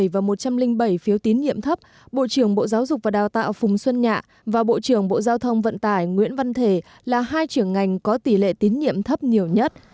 với một trăm ba mươi bảy và một trăm linh bảy phiếu tín nhiệm thấp bộ trưởng bộ giáo dục và đào tạo phùng xuân nhạ và bộ trưởng bộ giao thông vận tải nguyễn văn thể là hai trưởng ngành có tỷ lệ tín nhiệm thấp nhiều nhất